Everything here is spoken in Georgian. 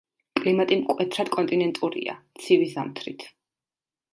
კლიმატი მკვეთრად კონტინენტურია, ცივი ზამთრით.